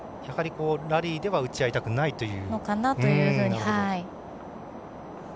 ラリーでは打ち合いたくないという。